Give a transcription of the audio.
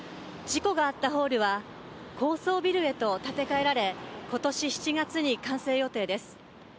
事故があったホールは高層ビルへと建て替えられ今年７月に完成予定です。